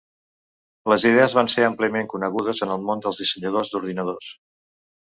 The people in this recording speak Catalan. Les idees van ser àmpliament conegudes en el món dels dissenyadors d'ordinadors.